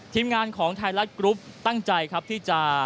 ทีมงานของไทยรัฐกรุ๊ปตั้งใจครับที่จะ